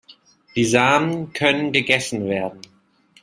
Die Samen können gegessen werden.